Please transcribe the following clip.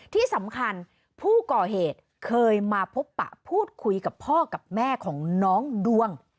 ที่สำคัญผู้ก่อเหตุเคยมาพบปะพูดคุยกับพ่อกับแม่ของน้องดวง